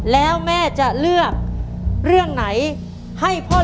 แล้วแม่จะเลือกเรื่องไหนให้พ่อโลมได้ตอบครับ